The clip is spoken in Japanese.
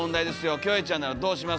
キョエちゃんならどうします？